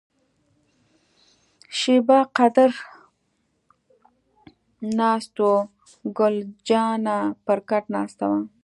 شیبه قدر غلي ناست وو، ګل جانه پر کټ ناسته وه.